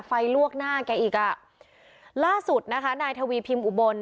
ลวกหน้าแกอีกอ่ะล่าสุดนะคะนายทวีพิมพ์อุบล